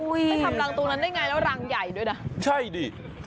ไปทำรังตรงนั้นอย่างไรแล้วรังใหญ่ด้วยนะ